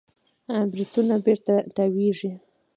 بریتونونه بېرته تاوېږي.